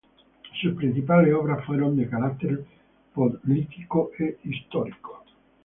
Sus principales obras fueron de carácter religioso e histórico.